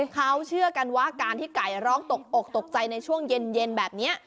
เขาเชื่อกันว่าการที่ไก่ร้องตกอกตกใจในช่วงเย็นแบบนี้